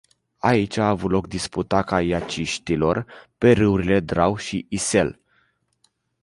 Aici a avut loc disputa kaiaciștilor, pe râurile Drau și Isel.